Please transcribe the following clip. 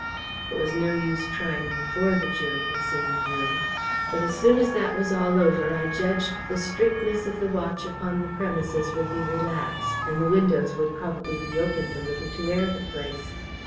"It was no use trying before the jury had seen the room. But as soon as that was all over, I judged the strictness of the watch upon the premises would be relaxed, and the windows would probably be opened a little to air the place.